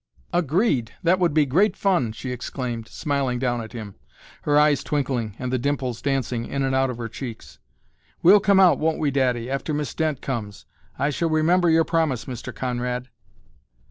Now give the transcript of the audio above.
"Agreed! that would be great fun!" she exclaimed, smiling down at him, her eyes twinkling and the dimples dancing in and out of her cheeks. "We'll come out, won't we, daddy, after Miss Dent comes. I shall remember your promise, Mr. Conrad."